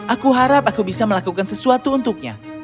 aku harap aku bisa melakukan sesuatu untuknya